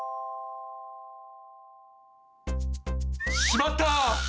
しまった！